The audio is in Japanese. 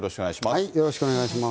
よろしくお願いします。